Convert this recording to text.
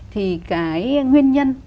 thì cái nguyên nhân